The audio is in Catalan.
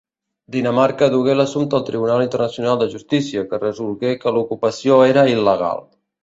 Dinamarca dugué l'assumpte al Tribunal Internacional de Justícia, que resolgué que l'ocupació era il·legal.